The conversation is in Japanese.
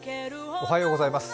おはようございます。